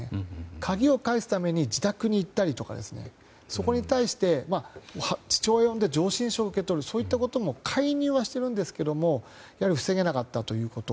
鍵を返すために自宅に行ったりとかそこに対して父親を呼んで上申書を受け取るそういったことも介入はしているんですけど防げなかったということ。